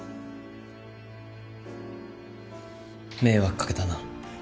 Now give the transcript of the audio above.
迷惑かけたな。